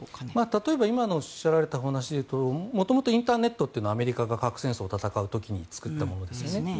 例えば今おっしゃられた話で言うと元々インターネットというのはアメリカが核戦争を戦う時に作ったものですよね。